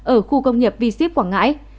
ở khu công nghiệp v zip quảng ngãi